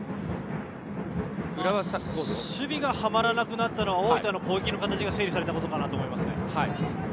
守備がはまらなくなったのは大分の攻撃の形が整備されたからかなと思います。